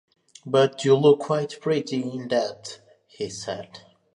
“But you look quite pretty in that,” he said.